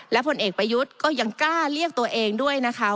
และผลเอกประยุทธ์ก็ยังกล้าเรียกตัวเองด้วยนะคะ